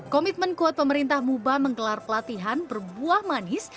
komitmen kuat pemerintah muba menggelar pelatihan berbuah manis